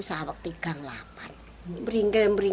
saya sudah bergulau gulau dengan suami